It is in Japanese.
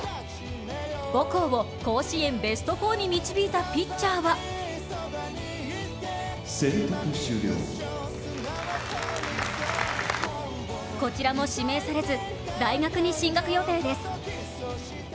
母校を甲子園ベスト４に導いたピッチャーはこちらも指名されず、大学に進学予定です。